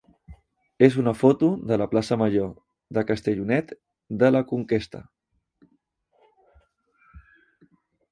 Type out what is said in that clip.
és una foto de la plaça major de Castellonet de la Conquesta.